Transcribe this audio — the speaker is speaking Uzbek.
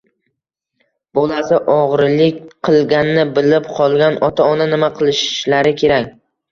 Bolasi o‘g‘rilik qilganini bilib qolgan ota-ona nima qilishlari kerak